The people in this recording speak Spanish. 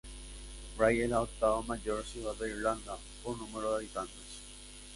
Bray es la octava mayor ciudad de Irlanda por número de habitantes.